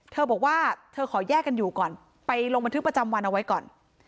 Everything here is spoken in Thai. เธอบอกว่าเธอขอแยกกันอยู่ก่อนไปลงบันทึกประจำวันเอาไว้ก่อน